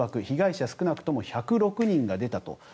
被害者少なくとも１０６人が出たと。